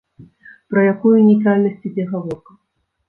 Пра якую нейтральнасць ідзе гаворка?